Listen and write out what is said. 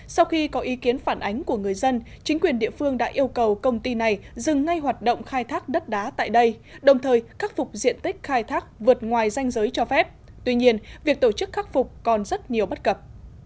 sau khi có ý kiến phản ánh của người dân chính quyền địa phương đã yêu cầu công ty này dừng ngay hoạt động khai thác đất đá tại đây đồng thời khắc phục diện tích khai thác vượt ngoài danh giới cho phép tuy nhiên việc tổ chức khắc phục còn rất nhiều bất cập